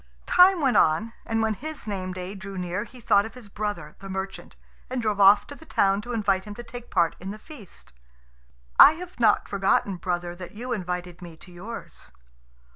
Time went on, and when his name day drew near he thought of his brother, the merchant, and drove off to the town to invite him to take part in the feast. "I have not forgotten, brother, that you invited me to yours."